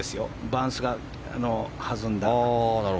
バウンスが弾んだ。